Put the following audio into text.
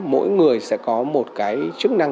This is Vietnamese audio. mỗi người sẽ có một cái chức năng